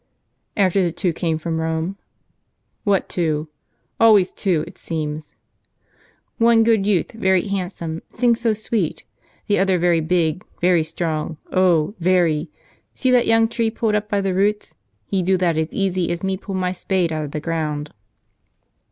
" After the two come from Rome." "What two? Always two, it seems." " One good youth, very handsome, sing so sweet. The other very big, very strong, oh, very. See that young tree pulled up by the roots ? He do that as easy as me pull my spade out of the ground."